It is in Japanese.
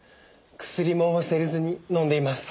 薬も忘れずに飲んでいます。